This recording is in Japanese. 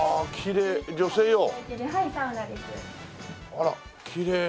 あらきれい。